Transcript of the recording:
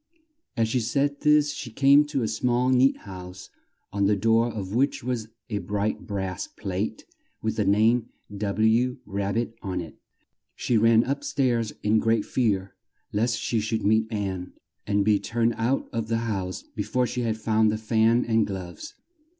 As she said this she came to a small neat house on the door of which was a bright brass plate with the name W. Rab bit on it. She ran up stairs in great fear lest she should meet Ann and be turned out of the house be fore she had found the fan and gloves.